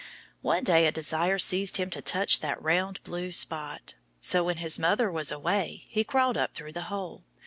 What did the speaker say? One day a desire seized him to touch that round blue spot. So when his mother was away he crawled up through the hole.